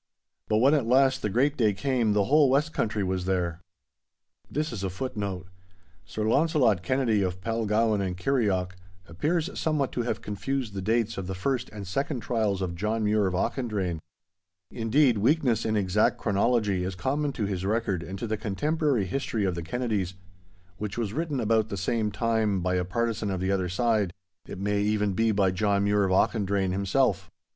But when at last the great day came the whole West Country was there.[#] [#] Sir Launcelot Kennedy, of Palgowan and Kirrieoch, appears somewhat to have confused the dates of the first and second trials of John Mure of Auchendrayne. Indeed, weakness in exact chronology is common to his record and to the contemporary Historie of the Kennedies, which was written about the same time by a partisan of the other side—it may even be by John Mure of Auchendrayne himself.